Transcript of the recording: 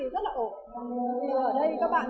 cho nên là bạn và mình là cả hai bạn